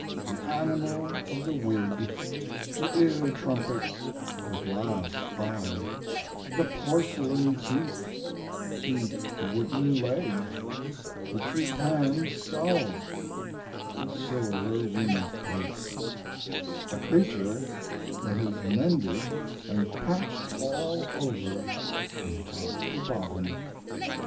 the animal of the wig, the ear trumpet, the glass eye, the porcelain teeth, the wooden leg, the trepanned skull, the silver wind pipe a creature that is mended and patched all over from top to bottom.